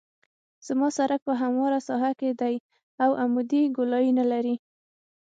زما سرک په همواره ساحه کې دی او عمودي ګولایي نلري